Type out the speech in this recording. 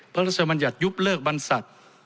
พระราชมัญญัติยุบเลิกบรรษัตริย์